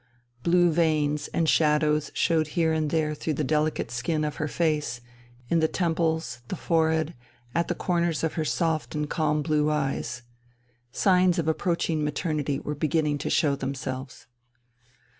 Blue veins and shadows showed here and there through the delicate skin of her face, in the temples, the forehead, at the corners of her soft and calm blue eyes. Signs of approaching maternity were beginning to show themselves.